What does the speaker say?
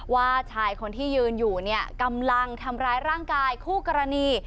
ว่าชายคนที่ยืนอยู่เนี่ยกำลังทำร้ายร่างกายคู่กรณี